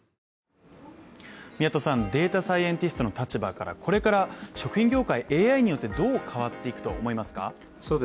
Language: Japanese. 宮田さん、データサイエンティストの立場からこれから食品業界、ＡＩによってどう変わっていくと思われますか？